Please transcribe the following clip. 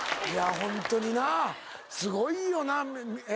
ホントになすごいよなえ